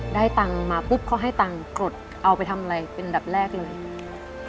ได้ตังค์มาปุ๊บเขาให้ตังค์กรดเอาไปทำอะไรเป็นดับแรกเลยอืม